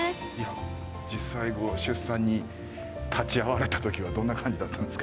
実際出産に立ち会われたときはどんな感じだったんですか？